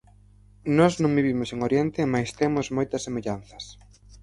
Nós non vivimos en Oriente mais temos moitas semellanzas.